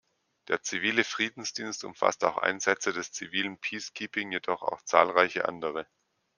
Der Zivile Friedensdienst umfasst auch Einsätze des "Zivilen Peacekeeping", jedoch auch zahlreiche andere.